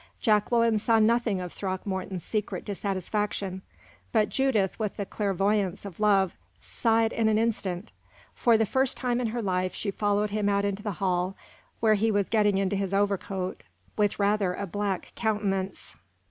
Jacqueline saw nothing of Throckmorton's secret dissatisfaction; but Judith, with the clairvoyance of love, saw it in an instant. For the first time in her life, she followed him out into the hall, where he was getting into his overcoat, with rather a black countenance.